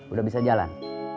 udah bisa jalan